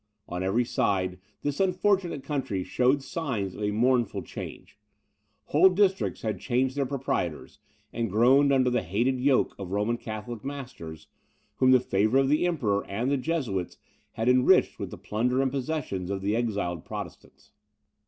On every side, this unfortunate country showed signs of a mournful change. Whole districts had changed their proprietors, and groaned under the hated yoke of Roman Catholic masters, whom the favour of the Emperor and the Jesuits had enriched with the plunder and possessions of the exiled Protestants.